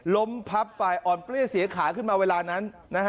พับไปอ่อนเปรี้ยเสียขาขึ้นมาเวลานั้น